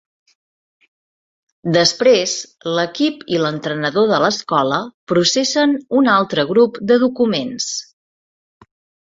Després, l'equip i l'entrenador de l'escola processen un altre grup de documents.